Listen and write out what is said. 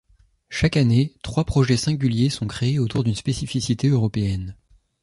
Chaque année, trois projets singuliers sont créés autour d’une spécificité européenne.